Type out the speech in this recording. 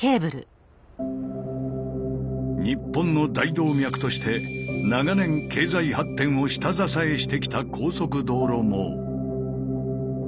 日本の大動脈として長年経済発展を下支えしてきた高速道路網。